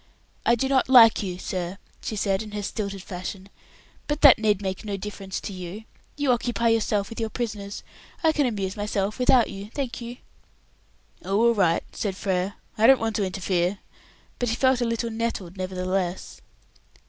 "I do not like you, sir," she said in her stilted fashion, "but that need make no difference to you. You occupy yourself with your prisoners; I can amuse myself without you, thank you." "Oh, all right," said Frere, "I don't want to interfere"; but he felt a little nettled nevertheless.